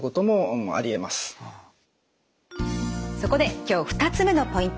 そこで今日２つ目のポイント